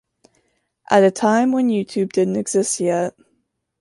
At a time when YouTube didn’t exist yet.